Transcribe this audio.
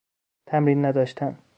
تمرین نداشتن